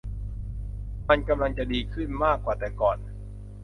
มันกำลังจะดีขึ้นมากกว่าแต่ก่อน